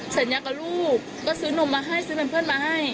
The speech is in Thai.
สัญญากับลูกก็ซื้อนมมาให้ซื้อเป็นเพื่อนมาให้